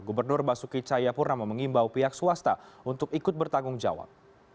gubernur basuki cahayapurnama mengimbau pihak swasta untuk ikut bertanggung jawab